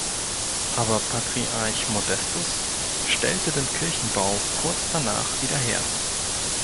Aber Patriarch Modestus stellte den Kirchenbau kurz danach wieder her.